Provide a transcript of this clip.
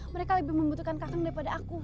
mereka lebih membutuhkan kakek daripada aku